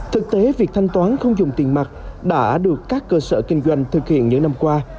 thực tế việc thanh toán không dùng tiền mặt đã được các cơ sở kinh doanh thực hiện những năm qua